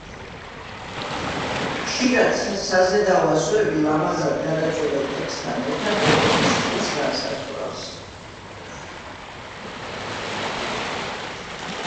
ხშირად საზედაო ასოები ლამაზად გადაწერილ ტექსტთან ერთად ეპოქის სტილს განსაზღვრავს.